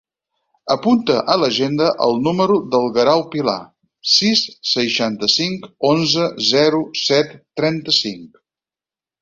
Apunta a l'agenda el número del Guerau Pilar: sis, seixanta-cinc, onze, zero, set, trenta-cinc.